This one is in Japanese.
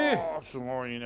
すごいね。